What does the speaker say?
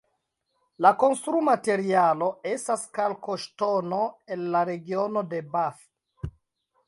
La konstrumaterialo estas kalkoŝtono el la regiono de Bath.